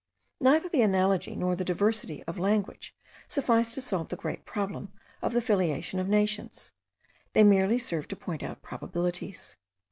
Neither the analogy nor the diversity of language suffice to solve the great problem of the filiation of nations; they merely serve to point out probabilities.